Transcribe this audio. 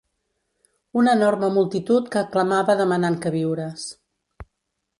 Una enorme multitud que clamava demanant queviures